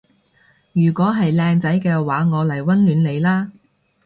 如果係靚仔嘅話我嚟溫暖你啦